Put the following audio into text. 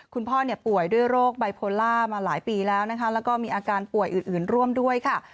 คุณพ่อป่วยด้วยโรคไบโพล่ามาหลายปีแล้วนะคะแล้วก็มีอาการป่วยอื่นร่วมด้วยค่ะ